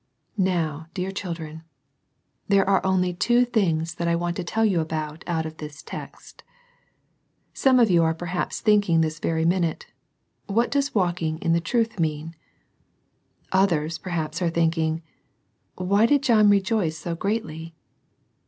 Now, dear children, there are only two things I want to tell you about out of this text. Some of you perhaps are thinking this very minute, " What does walking in truth mean ?" Others perhaps are thinking, "Why did John rejoice so greatly?"